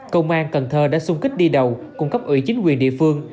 công an cần thơ đã sung kích đi đầu cung cấp ủy chính quyền địa phương